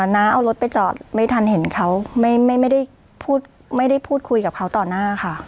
น้าเอารถไปจอดไม่ทันเห็นเขาไม่ได้พูดไม่ได้พูดคุยกับเขาต่อหน้าค่ะ